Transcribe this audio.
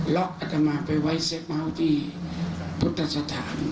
ล๊อกอัธมากไปไว้เสพเมาที่พุทธสถาน